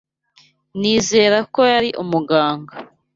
Nizeraga ko yari umuganga.